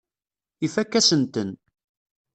Ifakk-asen-ten.